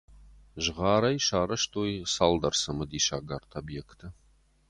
Згъӕрӕй сарӕзтой цалдӕр цымыдисаг арт-объекты.